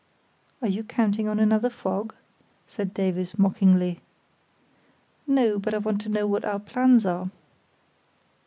"Are you counting on another fog?" said Davies, mockingly. "No; but I want to know what our plans are."